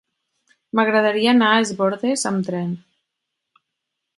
M'agradaria anar a Es Bòrdes amb tren.